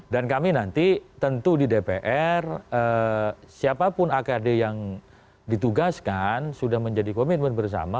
dan kami nanti tentu di dpr siapapun akd yang ditugaskan sudah menjadi komitmen bersama